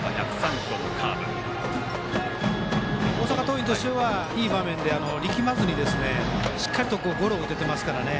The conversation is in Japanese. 大阪桐蔭としてはいい場面で力まずにしっかりゴロが打てていますから。